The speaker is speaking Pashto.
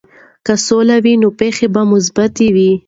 که سوله وي، نو پېښې به مثبتې وي.